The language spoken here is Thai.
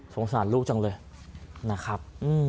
สงสารลูกจังเลยนะครับ